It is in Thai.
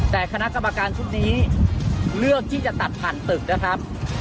แต่คณะกรรมการชุดนี้เลือกที่จะตัดผ่านตึกนะครับ